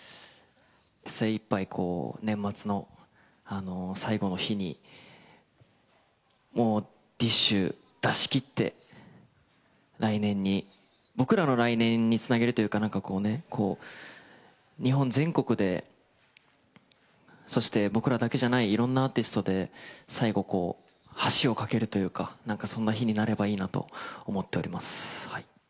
精いっぱい、年末の最後の日に、ディッシュ出しきって、来年に、僕らの来年につなげるというか、こうね、日本全国で、そして僕らだけじゃない、いろんなアーティストで最後、橋を架けるというか、なんかそんな日になればいいなと思っております。